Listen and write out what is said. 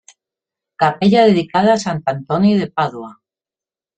Capella dedicada a Sant Antoni de Pàdua.